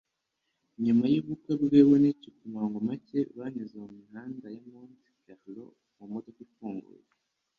Nyuma yubukwe bwe we nigikomangoma cye banyuze mumihanda ya Monte Carlo mumodoka ifunguye